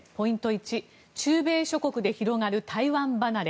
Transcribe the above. １中米諸国で広がる台湾離れ。